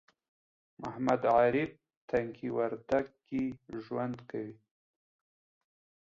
محمد عارف تنگي وردک کې ژوند کوي